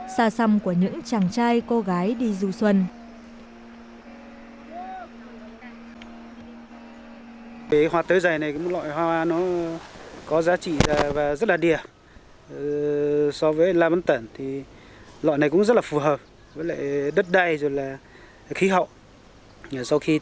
xa xăm của những chàng trai cô gái đi dù xuân